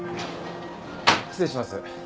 失礼します。